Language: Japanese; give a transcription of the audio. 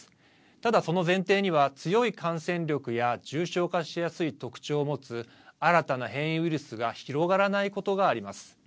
ただ、その前提には強い感染力や重症化しやすい特徴を持つ新たな変異ウイルスが広がらないことがあります。